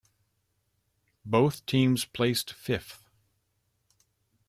Both teams placed fifth.